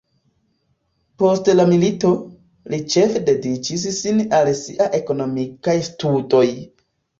Post la milito, li ĉefe dediĉis sin al siaj ekonomikaj studoj.